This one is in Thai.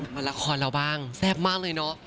มาละครเราบ้างแซ่บมากเลยเนาะ